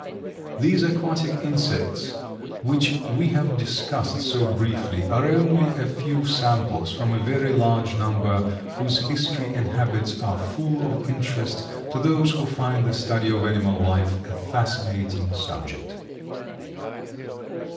These aquatic insects which we have discussed so briefly are only a few samples from a very large number whose history and habits are full of interest to those who find the study of animal life a fascinating subject.